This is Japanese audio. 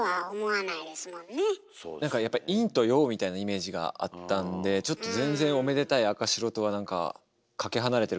なんかやっぱ陰と陽みたいなイメージがあったんでちょっと全然おめでたい赤白とはなんかかけ離れてる感じしました。